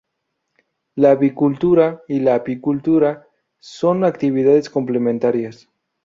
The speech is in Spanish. La avicultura y la apicultura son actividades complementarias.